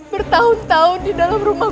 bertahun tahun di dalam kota ini